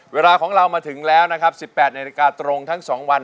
เวลาของเรามาถึงแล้วนะครับ๑๘นาฬิกาตรงทั้ง๒วัน